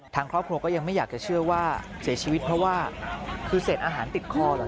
ทางครอบครัวก็ยังไม่อยากจะเชื่อว่าเสียชีวิตเพราะว่าคือเศษอาหารติดคอเหรอ